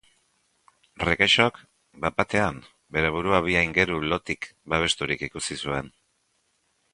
Rekexok bat-batean bere burua bi aingeru lotik babesturik ikusi zuen.